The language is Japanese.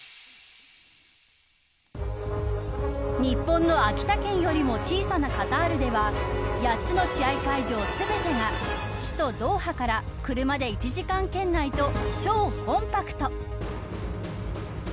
日本の秋田県よりも小さなカタールでは８つの試合会場、全てが首都ドーハから車で１時間圏内と超コンパクト。